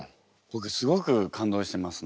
ぼくすごく感動してます